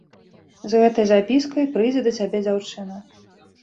З гэтай запіскай прыйдзе да цябе дзяўчына.